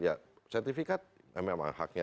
ya sertifikat memang haknya